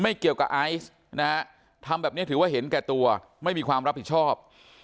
เกี่ยวกับไอซ์นะฮะทำแบบนี้ถือว่าเห็นแก่ตัวไม่มีความรับผิดชอบ